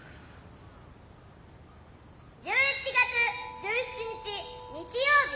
１１月１７日日曜日。